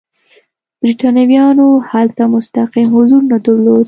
برېټانویانو هلته مستقیم حضور نه درلود.